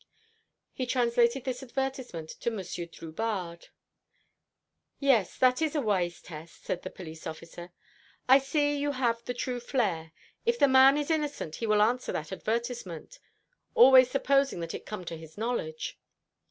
He translated this advertisement to Monsieur Drubarde. "Yes, that is a wise test," said the police officer. "I see you have the true flair. If the man is innocent, he will answer that advertisement always supposing that it come to his knowledge."